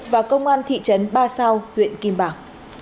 và công an thị trấn ba sao tuyện kim bảo